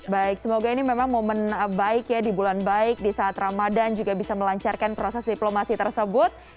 baik semoga ini memang momen baik ya di bulan baik di saat ramadhan juga bisa melancarkan proses diplomasi tersebut